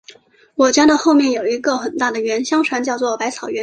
我家的后面有一个很大的园，相传叫作百草园